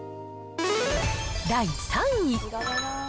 第３位。